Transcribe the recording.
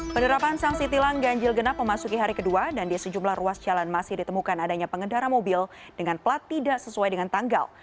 penerapan sanksi tilang ganjil genap memasuki hari kedua dan di sejumlah ruas jalan masih ditemukan adanya pengendara mobil dengan plat tidak sesuai dengan tanggal